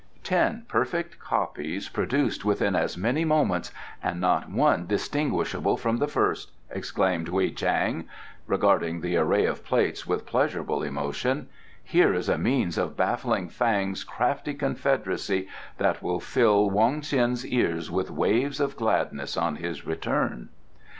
"Ten perfect copies produced within as many moments, and not one distinguishable from the first!" exclaimed Wei Chang, regarding the array of plates with pleasurable emotion. "Here is a means of baffling Fang's crafty confederacy that will fill Wong Ts'in's ears with waves of gladness on his return."